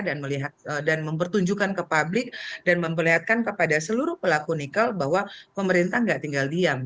dan mempertunjukkan ke publik dan memperlihatkan kepada seluruh pelaku nikel bahwa pemerintah nggak tinggal diam